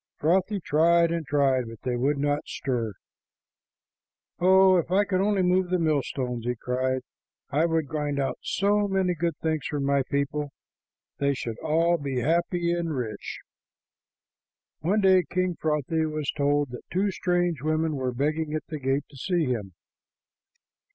Frothi tried and tried, but they would not stir. "Oh, if I could only move the millstones," he cried, "I would grind out so many good things for my people. They should all be happy and rich." One day King Frothi was told that two strange women were begging at the gate to see him.